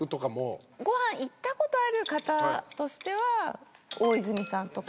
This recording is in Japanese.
ご飯行ったことある方としては大泉さんとか。